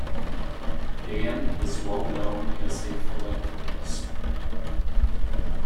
Dan is well known as a philanthropist.